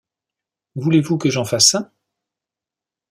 Voulez-vous que j'en fasse un ?